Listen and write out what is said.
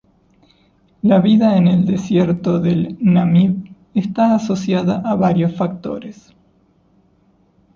La vida en el desierto del Namib está asociada a varios factores.